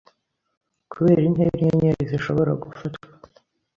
Kubera intera inyenyeri zishobora gufatwa